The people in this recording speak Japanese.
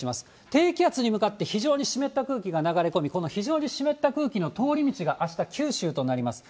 低気圧に向かって非常に湿った空気が流れ込み、この非常に湿った空気の通り道があした、九州となります。